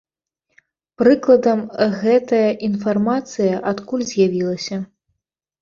Прыкладам, гэтая інфармацыя адкуль з'явілася?